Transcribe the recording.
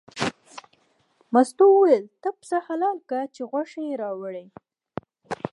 مستو وویل نو ته پسه حلال که چې یې غوښه راوړې.